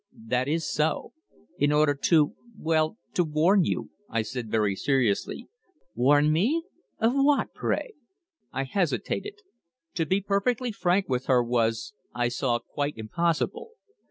"That is so. In order to well, to warn you," I said very seriously. "Warn me! of what, pray?" I hesitated. To be perfectly frank with her was, I saw, quite impossible.